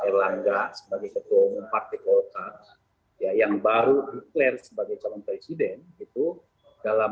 erlangga sebagai ketua umum partai golkar yang baru deklarasi sebagai calon presiden itu dalam